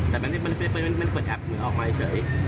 แต่มันเปิดแอปมือออกมาเฉย